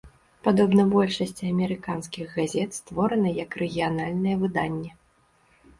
Падобна большасці амерыканскіх газет, створана як рэгіянальнае выданне.